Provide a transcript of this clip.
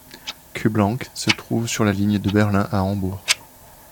Kuhblank se trouve sur la ligne de Berlin à Hambourg.